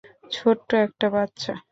ছোট্ট একটা বাচ্চা।